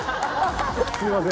すみません。